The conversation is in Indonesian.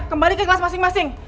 kembali ke kelas masing masing